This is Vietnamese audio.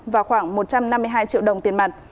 và khoảng một trăm năm mươi hai triệu đồng tiền mặt